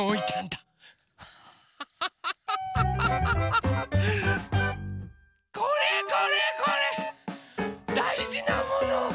だいじなもの。